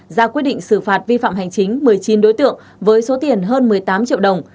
ra quyết định xử phạt vi phạm hành chính một mươi chín đối tượng với số tiền hơn một mươi tám triệu đồng